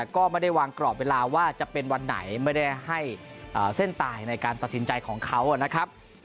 ก็ไม่ได้วางกรอบเวลาว่าจะเป็นวันไหนไม่ได้ให้เส้นตายในการตัดสินใจของเขานะครับ